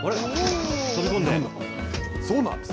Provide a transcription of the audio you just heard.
そうなんです。